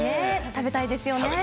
食べたいですね。